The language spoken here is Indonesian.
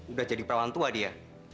udah jadi perawan tua dia